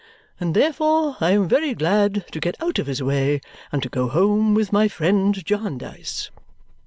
And therefore I am very glad to get out of his way and to go home with my friend Jarndyce."